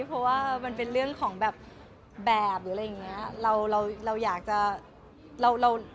เพราะว่ามันเป็นเรื่องของแบบหรืออะไรอย่างนี้